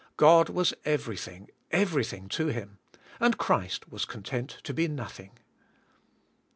God was everything, everything to Him, and Christ was content to be nothing.